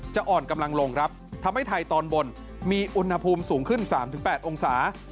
อ่อนกำลังลงครับทำให้ไทยตอนบนมีอุณหภูมิสูงขึ้น๓๘องศา